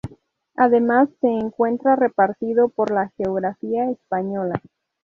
Además, se encuentra repartido por la geografía española.